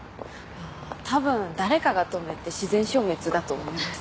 あたぶん誰かが止めて自然消滅だと思います。